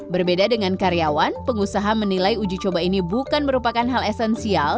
berbeda dengan karyawan pengusaha menilai uji coba ini bukan merupakan hal esensial